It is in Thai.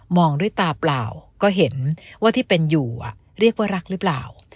องด้วยตาเปล่าก็เห็นว่าที่เป็นอยู่เรียกว่ารักหรือเปล่า